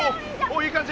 いい感じ？